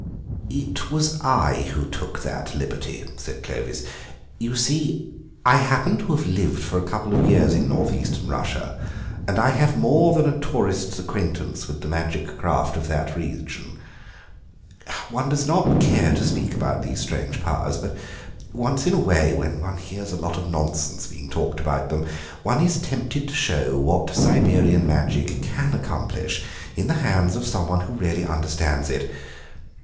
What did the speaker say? "It was I who took that liberty," said Clovis; "you see, I happen to have lived for a couple of years in North Eastern Russia, and I have more than a tourist's acquaintance with the magic craft of that region. One does not care to speak about these strange powers, but once in a way, when one hears a lot of nonsense being talked about them, one is tempted to show what Siberian magic can accomplish in the hands of someone who really understands it.